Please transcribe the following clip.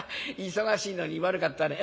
忙しいのに悪かったね。